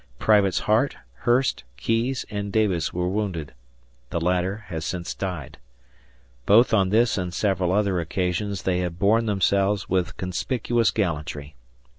Privates Hart, Hurst, Keyes, and Davis were wounded. The latter has since died. Both on this and several other occasions they have borne themselves with conspicuous gallantry.